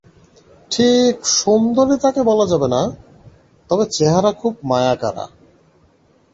ঠিক সুন্দরী তাকে বলা যাবে না, তবে চেহারা খুব মায়াকাড়া।